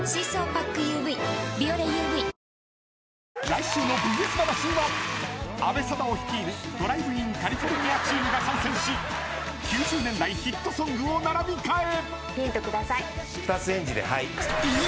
［来週の『ＶＳ魂』は阿部サダヲ率いるドライブインカリフォルニアチームが参戦し９０年代ヒットソングを並び替え］